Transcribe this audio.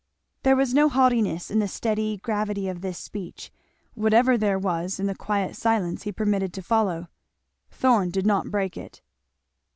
There was no haughtiness in the steady gravity of this speech, whatever there was in the quiet silence he permitted to follow. Thorn did not break it.